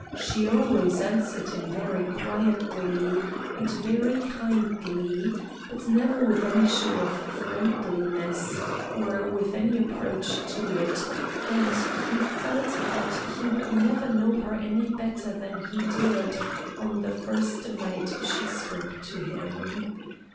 She always answered him very quietly and very kindly, but never with any show of friendliness or with any approach to it, and he felt that he would never know her any better than he did on the first night she spoke to him.